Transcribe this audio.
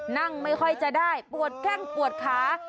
นั่งไม่ค่อยจะได้ปวดแข้งปวดขา